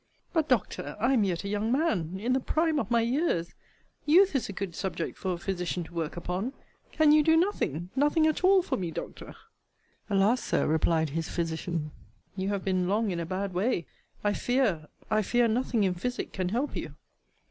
But, Doctor, I am yet a young man; in the prime of my years youth is a good subject for a physician to work upon Can you do nothing nothing at all for me, Doctor? Alas! Sir, replied his physician, you have been long in a bad way. I fear, I fear, nothing in physic can help you!